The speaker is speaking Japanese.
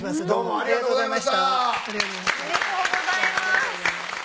ありがとうございます。